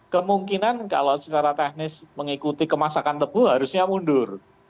kemungkinan kalau secara teknis mengikuti kemasan tebu harusnya mundur